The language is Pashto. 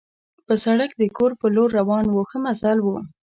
پر سړک د کور په لور روان وو، ښه مزل وو.